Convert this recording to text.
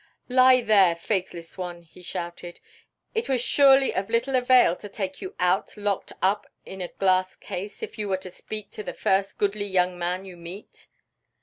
"Lie there, faithless one," he shouted; "it was surely of little avail to take you out locked up in a glass case if you were to speak to the first goodly young man you meet."